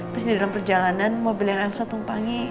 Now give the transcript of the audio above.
terus di dalam perjalanan mobil yang elsa tumpangnya